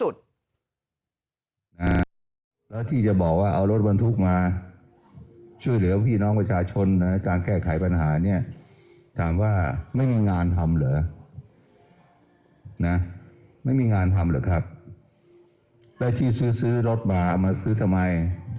เดี๋ยวฟังจากท่านเสรีพิสุทธิ์